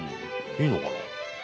いいのかな？